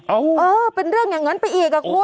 เออเป็นเรื่องอย่างนั้นไปอีกอ่ะคุณ